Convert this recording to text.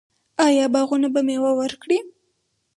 آیا باغونه به میوه ورکړي؟